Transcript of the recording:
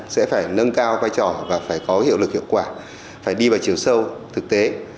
sẽ phải nâng cao vai trò và phải có hiệu lực hiệu quả phải đi vào chiều sâu thực tế